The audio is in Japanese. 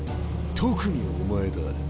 特にお前だ。